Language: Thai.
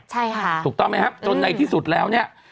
ใช่ค่ะถูกต้องไหมครับจนในที่สุดแล้วเนี่ย